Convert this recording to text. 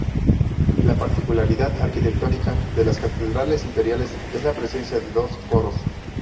La particularidad arquitectónica de las catedrales imperiales es la presencia de dos coros.